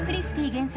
原作